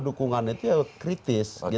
dukungan itu ya kritis